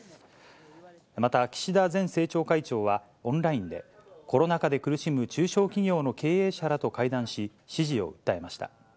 また岸田前政調会長はオンラインで、コロナ禍で苦しむ中小企業の経営者らと会談し、支持を訴えました。